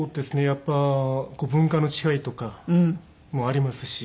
やっぱ文化の違いとかもありますし。